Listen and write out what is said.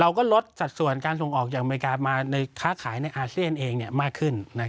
เราก็ลดสัดส่วนการส่งออกจากอเมริกามาในภูมิภาคอ่านืนอยู่อาเซียนเองเนี่ยมากขึ้น